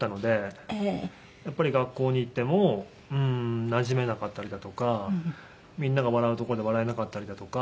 やっぱり学校に行ってもなじめなかったりだとかみんなが笑うとこで笑えなかったりだとか。